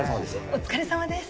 お疲れさまです。